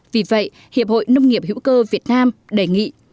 vì vậy hiệp hội nông nghiệp hữu cơ việt nam đề nghị